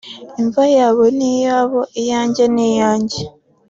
imva yabo ni iyabo iyanjye ni iyanjye